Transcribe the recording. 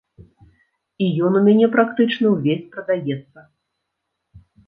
І ён у мяне практычна ўвесь прадаецца.